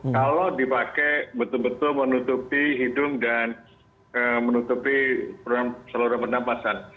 kalau dipakai betul betul menutupi hidung dan menutupi saluran penampasan